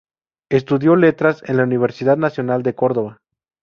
Estudió letras en la Universidad Nacional de Córdoba.